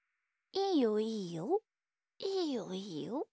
いいよいいよ。